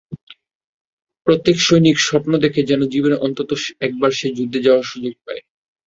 প্রত্যেক সৈনিক স্বপ্ন দেখে যেন জীবনে অন্তত একবার সে যুদ্ধে যাওয়ার সুযোগ পায়।